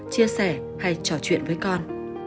chia sẻ hay trò chuyện với con